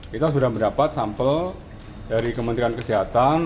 kita sudah mendapat sampel dari kementerian kesehatan